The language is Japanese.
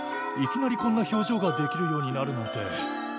いきなりこんな表情ができるようになるなんて。